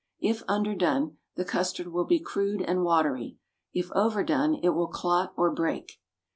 If underdone, the custard will be crude and watery; if overdone, it will clot or break.